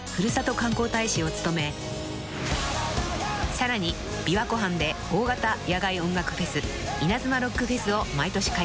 ［さらに琵琶湖畔で大型野外音楽フェスイナズマロックフェスを毎年開催］